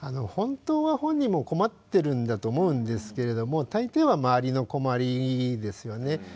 本当は本人も困ってるんだと思うんですけれども大抵は周りの困りですよね。